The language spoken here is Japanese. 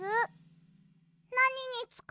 なににつかうの？